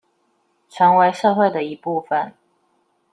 成為社會的一部分